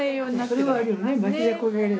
それはあるよね。